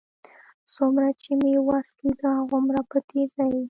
څومره چې مې وس کېده، هغومره په تېزۍ.